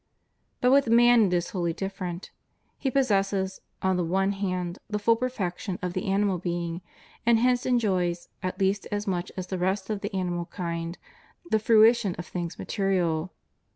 But with man it is wholly different. He pos sesses, on the one hand, the full perfection of the animal being, and hence enjoys, at least as much as the rest of the animal kind, the fruition of things material.